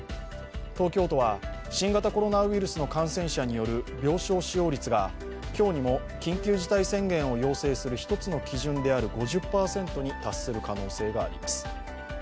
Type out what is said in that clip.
東京都は、新型コロナウイルスの感染者による病床使用率が今日にも緊急事態宣言を要請する１つの基準である５０％に達する可能性があります。